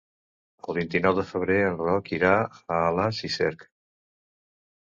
El vint-i-nou de febrer en Roc irà a Alàs i Cerc.